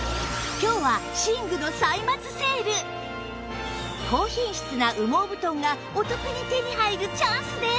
今日は高品質な羽毛布団がお得に手に入るチャンスです